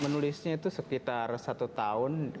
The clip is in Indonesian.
menulisnya itu sekitar satu tahun